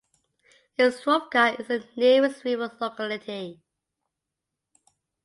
Istrovka is the nearest rural locality.